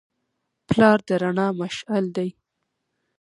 پلار د رڼا مشعل دی.